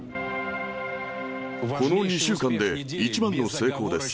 この２週間で一番の成功です。